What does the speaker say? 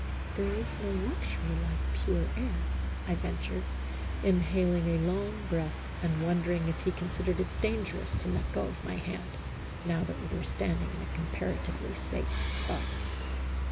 " There is no luxury like pure air," I ventured, inhaling a long breath and wondering if he consid ered it dangerous to let go of my hand, now that we were standing in a comparatively safe spot.